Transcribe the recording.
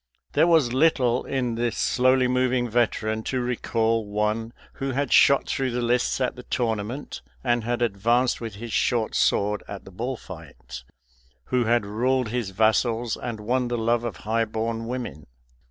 There was little in this slowly moving veteran to recall one who had shot through the lists at the tournament, and had advanced with his short sword at the bull fight, who had ruled his vassals, and won the love of high born women.